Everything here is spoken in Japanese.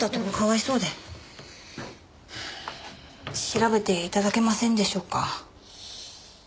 調べていただけませんでしょうか？